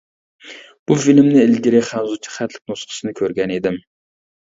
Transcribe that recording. بۇ فىلىمنى ئىلگىرى خەنزۇچە خەتلىك نۇسخىسىنى كۆرگەن ئىدىم.